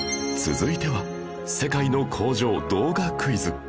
続いては世界の工場動画クイズ！